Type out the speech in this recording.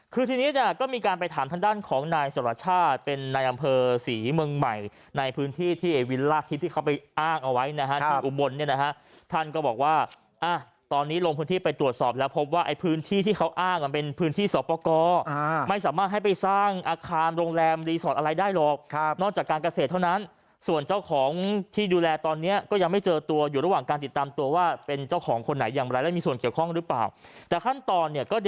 คือทีนี้ก็มีการไปถามทางด้านของนายสรชาติเป็นนายอำเภอศรีเมืองใหม่ในพื้นที่ที่ไอ้วิลล่าที่เขาไปอ้างเอาไว้นะครับอุบลเนี่ยนะครับท่านก็บอกว่าตอนนี้ลงพื้นที่ไปตรวจสอบแล้วพบว่าไอ้พื้นที่ที่เขาอ้างเป็นพื้นที่สอบประกอบไม่สามารถให้ไปสร้างอาคารโรงแรมรีสอร์ตอะไรได้หรอกนอกจากการเกษตรเท